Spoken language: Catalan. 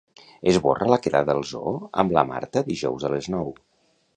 Esborra la quedada al zoo amb la Marta dijous a les nou.